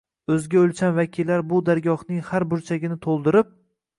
o‘zga o‘lcham vakillari bu dargohning har burchagini to‘ldirib